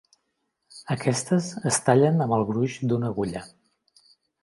Aquestes es tallen amb el gruix d'una agulla.